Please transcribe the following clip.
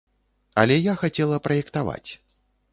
Але я хацела праектаваць.